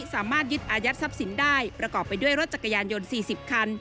สามารถยึดอายัดทรัพย์สินได้ประกอบไปด้วยรถจักรยานยนต์๔๐คัน